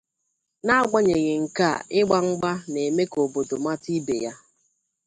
N’agbanyeghị nke a igba mgba na- eme ka obodo mata ibe ya